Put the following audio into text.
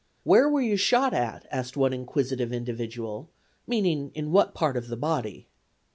"Where were you shot at?" asked one inquisitive individual, meaning in what part of the body.